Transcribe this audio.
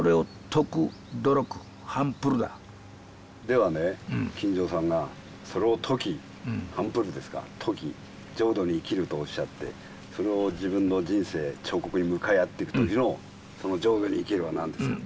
ではね金城さんがそれを解きハンプルですか解き浄土に生きるとおっしゃってそれを自分の人生彫刻に向かい合っていく時のその「浄土に生きる」は何ですか？